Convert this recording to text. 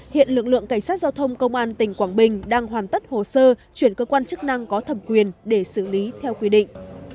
hiện lực lượng cảnh sát giao thông công an tỉnh quảng bình đang hoàn tất hồ sơ chuyển cơ quan chức năng có thẩm quyền để xử lý theo quy định